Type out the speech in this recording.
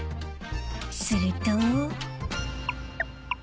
［すると］